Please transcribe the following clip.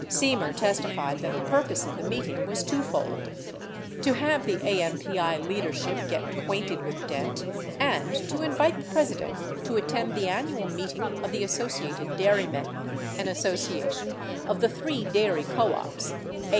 Semer testified that the purpose of the meet ing was twofold : to have the AMPI leadership get acquainted with Dent and to invite the President to attend the annual meeting of the Associated Dairymen, an association of the three dairy co ops (AMPI, 80 Semer, 16 Hearings 7192.